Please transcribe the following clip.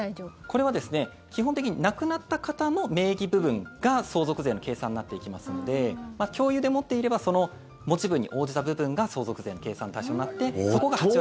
これは基本的に亡くなった方の名義部分が相続税の計算になっていきますので共有で持っていればその持ち分に応じた部分が相続税の計算対象になってそこが８割。